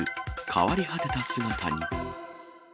変わり果てた姿に。